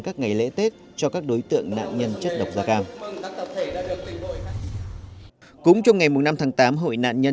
các ngày lễ tết cho các đối tượng nạn nhân chất độc da cam cũng trong ngày năm tháng tám hội nạn nhân